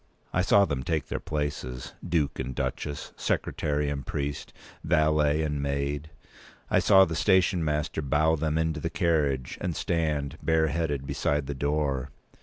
I saw them take their places—Duke and Duchess, secretary and priest, valet and maid. I saw the station master bow them into the carriage, and stand, bareheaded, beside the door.